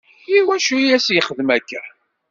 I wacu i as-yexdem akka?